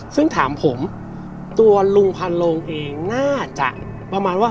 ซึ่งถามผมตัวลุงพันโลงเองน่าจะประมาณว่า